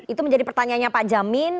itu menjadi pertanyaannya pak jamin